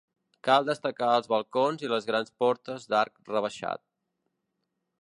Cal destacar els balcons i les grans portes d'arc rebaixat.